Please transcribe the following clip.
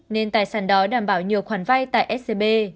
nên tài sản đó đảm bảo nhiều khoản vay tại scb